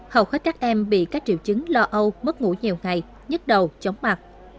hầu hết các em bị các triệu chứng lo âu mất ngủ nhiều ngày nhức đầu chóng mặt